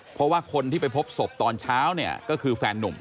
เพราะว่าคนที่ไปพบศพตอนเช้าเนี่ยก็คือแฟนนุ่ม